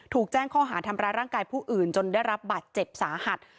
ถูกแจ้งข้อหาทำร้ายร่างกายผู้อื่นจนได้รับบาดเจ็บสาหัส